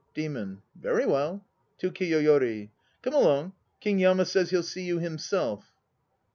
DEMON. Very well. (To KIYOYORI.) Come along, King Yama says he'll see you himself.